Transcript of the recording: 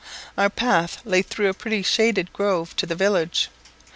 Our path lay through a pretty shady grove to the village.